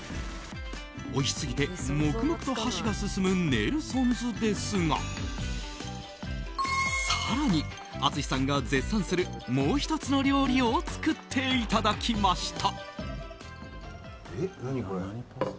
おいしすぎて黙々と箸が進むネルソンズですが更に、淳さんが絶賛するもう１つの料理を作っていただきました。